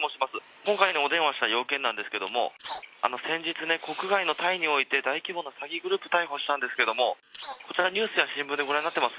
今回のお電話した用件なんですけれども、先日ね、国外のタイにおいて、大規模な詐欺グループを逮捕したんですけれども、こちら、ニュースや新聞でご覧になってます？